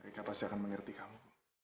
mereka pasti akan mengerti kamu